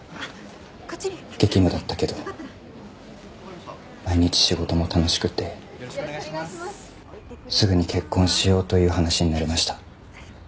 激務だったけど毎日仕事も楽しくてすぐに結婚しようという話になりました。